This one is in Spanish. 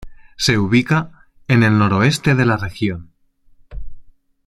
Se ubica en el noreste de la región.